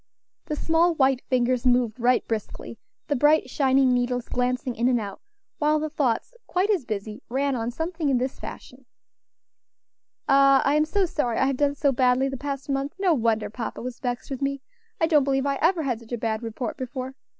The small white fingers moved right briskly, the bright shining needles glancing in and out, while the thoughts, quite as busy, ran on something in this fashion: "Ah! I am so sorry I have done so badly the past month; no wonder papa was vexed with me. I don't believe I ever had such a bad report before.